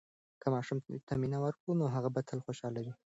که ماشوم ته مینه ورکړو، نو هغه به تل خوشحاله وي.